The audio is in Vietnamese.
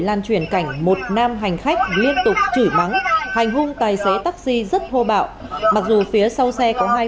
lan truyền cảnh một nam hành khách liên tục chửi mắng hành hung tài xế taxi rất thô bạo mặc dù phía sau xe có hai